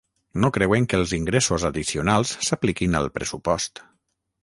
No creuen que els ingressos addicionals s'apliquin al pressupost.